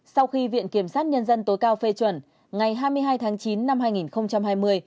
sau khi viện kiểm sát nhân dân tối cao phê chuẩn ngày hai mươi hai tháng chín năm hai nghìn hai mươi